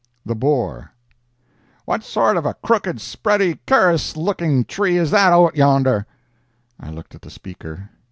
THE BORE "What sort of a crooked, spready, cur'us looking tree is that out yonder?" I looked at the speaker.